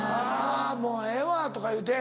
「もうええわ」とかいうて。